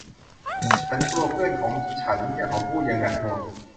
ฉันกลัวเพื่อนของฉันเขาพูดอย่างหนักหน่วง